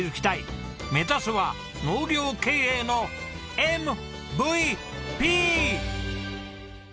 目指すは農業経営のＭＶＰ！推せる！！